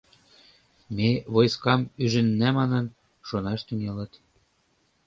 — Ме войскам ӱжынна манын, шонаш тӱҥалыт...